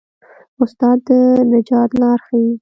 استاد د نجات لار ښيي.